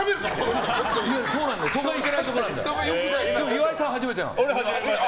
岩井さんは初めてなの。